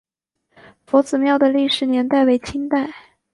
佛子庙的历史年代为清代。